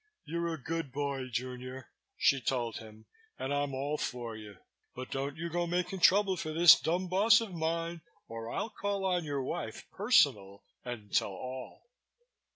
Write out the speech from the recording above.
"You're a good boy, junior," she told him, "and I'm all for you. But don't you go making trouble for this dumb boss of mine or I'll call on your wife, personal, and Tell All."